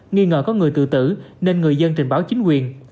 nghi ngờ có người tự tử nên người dân trình báo chính quyền